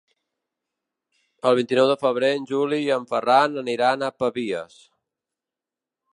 El vint-i-nou de febrer en Juli i en Ferran aniran a Pavies.